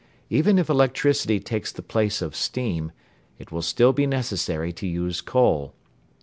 Even if electricity takes the place of steam, it will still be necessary to use coal.